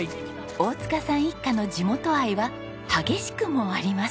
大塚さん一家の地元愛は激しくもあります。